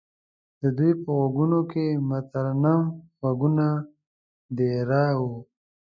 د دوی په غوږونو کې مترنم غږونه دېره وو.